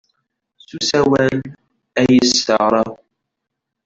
S usawal ay as-teɣra.